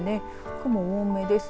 雲多めです。